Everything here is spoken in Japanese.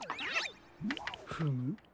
フム？